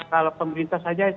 kalau pemerintah saja